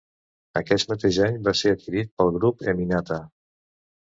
Aquest mateix any va ser adquirit pel grup Eminata.